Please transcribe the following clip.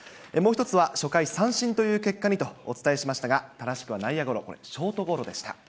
もう１つは、初回、三振という結果にとお伝えしましたが、正しくは内野ゴロではなく、ショートゴロでした。